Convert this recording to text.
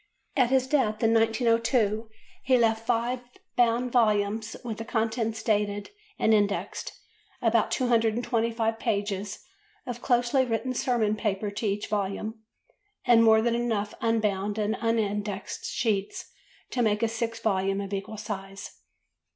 At his death, in 1902, he left five bound volumes, with the contents dated and indexed, about 225 pages of closely written sermon paper to each volume, and more than enough unbound and unindexed sheets to made a sixth volume of equal size.